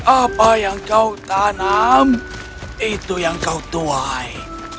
apa yang kau tanam itu yang kau tuai